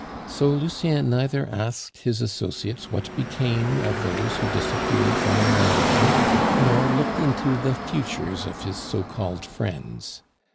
So Lucien neither asked his associates what became of those who disappeared from among them, nor looked into the futures of his so called friends.